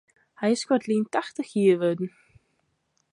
Hy is koartlyn tachtich jier wurden.